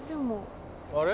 あれ？